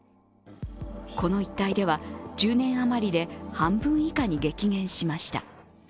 この一帯では１０年余りで半分以下に激減しました。